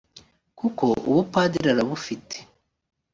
kuko ubupadiri arabufite